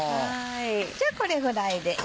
じゃあこれぐらいで。